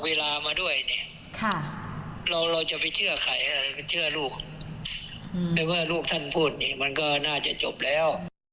เพราะว่าลูกท่านพูดนี่มันก็น่าจะจบแล้ว